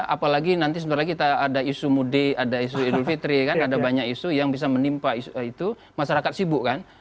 apalagi nanti sebentar lagi kita ada isu mudik ada isu idul fitri kan ada banyak isu yang bisa menimpa itu masyarakat sibuk kan